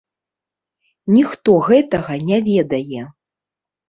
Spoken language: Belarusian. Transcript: Ніхто гэтага не ведае!